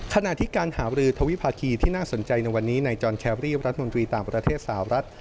ขณะที่การหาบรือทวิภาคีที่น่าสนใจในวันนี้นายจอนแครรี่รัฐมนตรีต่างประเทศสาวรัฐ